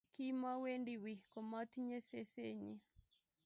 Kimawendi wiiy komatinyei sesenyi